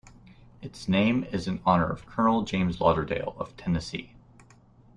Its name is in honor of Colonel James Lauderdale, of Tennessee.